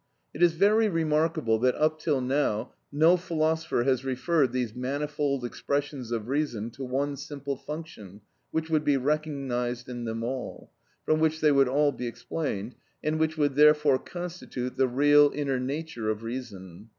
It is very remarkable that up till now no philosopher has referred these manifold expressions of reason to one simple function which would be recognised in them all, from which they would all be explained, and which would therefore constitute the real inner nature of reason.